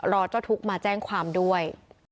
เจ้าทุกข์มาแจ้งความด้วย